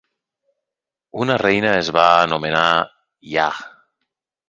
Una reina es va anomenar Iah.